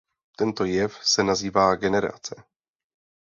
Tento jev se nazývá generace.